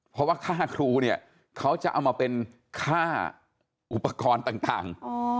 เพราะว่าค่าครูเนี่ยเขาจะเอามาเป็นค่าอุปกรณ์ต่าง